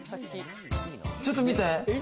ちょっと見て！